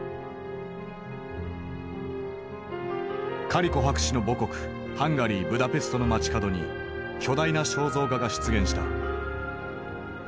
カリコ博士の母国ハンガリーブダペストの街角に巨大な肖像画が出現した。